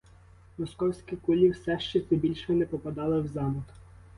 Московські кулі все ще здебільшого не попадали в замок.